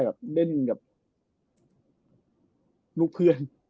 ก็ได้เล่นกับลูกเพื่อน